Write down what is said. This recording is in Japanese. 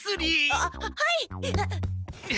あははい！